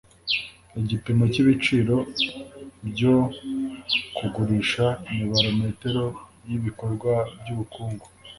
igipimo cyibiciro byo kugurisha ni barometero yibikorwa byubukungu